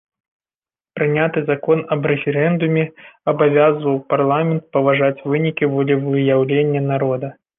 Прыняты закон аб рэферэндуме абавязваў парламент паважаць вынікі волевыяўлення народа.